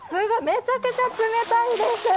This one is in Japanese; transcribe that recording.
めちゃくちゃ冷たいんです。